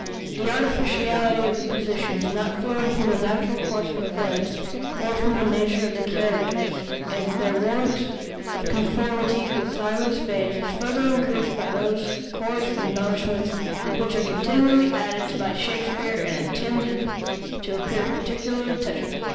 The artificiality of the positions, not flowing from the natural course of events, or from the nature of the characters, and their want of conformity with time and space, is further increased by those coarse embellishments which are continually added by Shakespeare and intended to appear particularly touching.